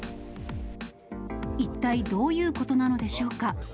一体どういうことなのでしょうか。